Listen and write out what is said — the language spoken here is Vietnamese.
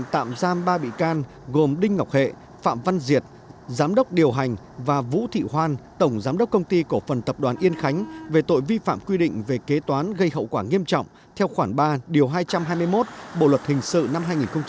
tạ đức minh phạm văn diệt giám đốc điều hành và vũ thị hoan tổng giám đốc công ty cổ phần tập đoàn yên khánh về tội vi phạm quy định về kế toán gây hậu quả nghiêm trọng theo khoảng ba hai trăm hai mươi một bộ luật hình sự năm hai nghìn một mươi năm